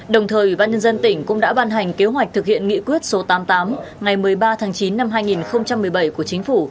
đồng thời ủy ban nhân dân tỉnh cũng đã ban hành kế hoạch thực hiện nghị quyết số tám mươi tám ngày một mươi ba tháng chín năm hai nghìn một mươi bảy của chính phủ